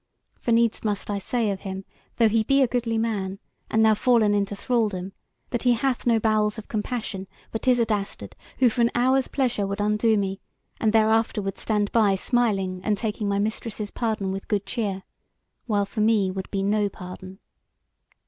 For needs must I say of him, though he be a goodly man, and now fallen into thralldom, that he hath no bowels of compassion; but is a dastard, who for an hour's pleasure would undo me, and thereafter would stand by smiling and taking my mistress's pardon with good cheer, while for me would be no pardon.